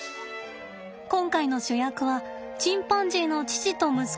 今回の主役はチンパンジーの父と息子です。